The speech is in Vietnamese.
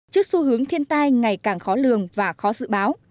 trước xu hướng thiên tai ngày càng khó lường và khó dự báo